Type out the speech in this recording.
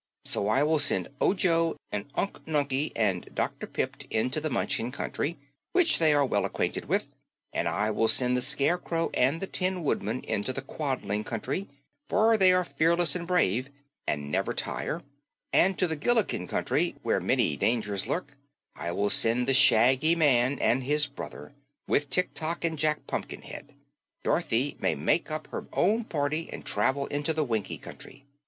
So I will send Ojo and Unc Nunkie and Dr. Pipt into the Munchkin Country, which they are well acquainted with; and I will send the Scarecrow and the Tin Woodman into the Quadling Country, for they are fearless and brave and never tire; and to the Gillikin Country, where many dangers lurk, I will send the Shaggy Man and his brother, with Tik Tok and Jack Pumpkinhead. Dorothy may make up her own party and travel into the Winkie Country.